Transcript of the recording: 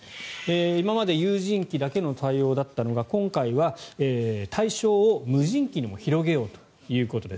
今まで有人機だけの対応だったのが今回は対象を無人機にも広げようということです。